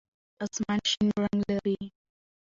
آسمان شین رنګ لري.